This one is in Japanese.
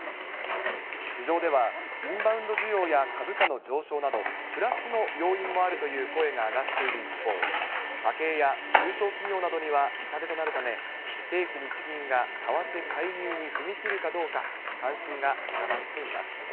市場では、インバウンド需要や株価の上昇など、プラスの要因もあるという声が上がっている一方、家計や中小企業などには痛手となるため、政府・日銀が為替介入に踏み切るかどうか、関心が高まっています。